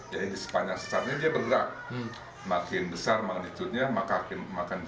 jadi percepatan pergerakannya itu sekitar sampai empat satu cm per tahun